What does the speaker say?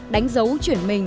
đánh dấu chuyển mình